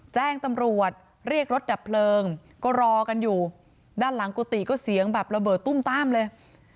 แจ้งตำรวจเรียกรถดับเพลิงก็รอกันอยู่ด้านหลังกุฏิก็เสียงแบบระเบิดตุ้มต้ามเลย